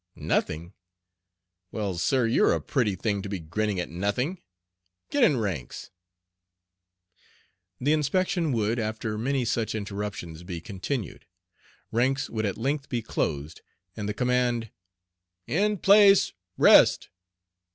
"Nothing! Well, sir, you're a pretty thing to be grinning at nothing. Get in ranks." The inspection would, after many such interruptions, be continued. Ranks would at length be closed and the command, "In place, rest!"